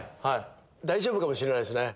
大丈夫かもしれないですね。